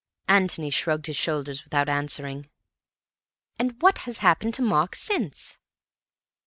Antony shrugged his shoulders without answering. "And what has happened to Mark since?"